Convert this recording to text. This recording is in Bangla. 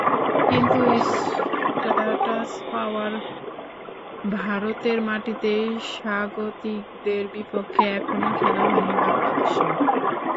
কিন্তু স্ট্যাটাস পাওয়ার ভারতের মাটিতেই স্বাগতিকদের বিপক্ষে এখনো খেলা হয়নি বাংলাদেশের।